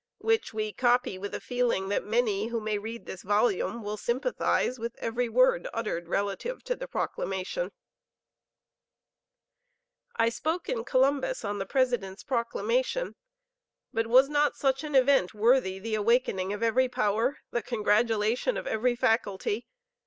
which we copy with the feeling that many who may read this volume will sympathize with every word uttered relative to the Proclamation: "I spoke in Columbus on the President's Proclamation.... But was not such an event worthy the awakening of every power the congratulation of every faculty?